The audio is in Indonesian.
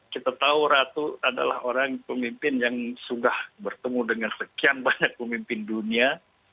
kita tahu ratu adalah orang pemimpin yang sudah bertemu dengan sekian banyak pemimpin dunia